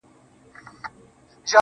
په کیسو ستړی کړې،